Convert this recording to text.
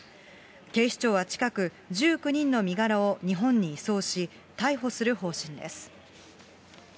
警視庁は近く、１９人の身柄を日本に移送し、逮捕する方針です。